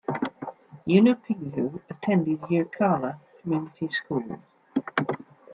Yunupingu attended Yirrkala Community School.